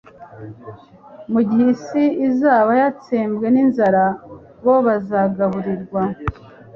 Mu gihe isi izaba yatsembwe n'inzara, bo bazagaburirwa.